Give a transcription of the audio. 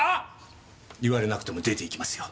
言われなくても出ていきますよ。